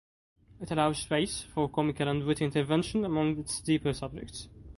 It allows space for comical and witty intervention among its deeper subjects.